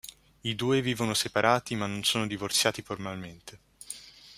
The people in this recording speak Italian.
I due vivono separati, ma non sono divorziati formalmente.